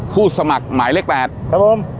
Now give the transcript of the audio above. ผู้สมัครหมายเลข๘